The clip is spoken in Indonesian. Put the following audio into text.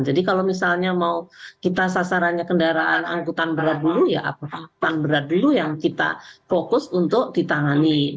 jadi kalau misalnya mau kita sasarannya kendaraan angkutan berat dulu ya angkutan berat dulu yang kita fokus untuk ditangani